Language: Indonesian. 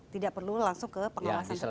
tidak perlu langsung ke pengawasan seperti itu